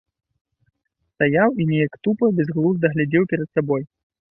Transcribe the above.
Стаяў і неяк тупа, бязглузда глядзеў перад сабой.